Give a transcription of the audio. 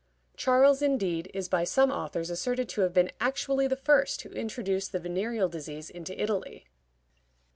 Charles, indeed, is by some authors asserted to have been actually the first who introduced the venereal disease into Italy.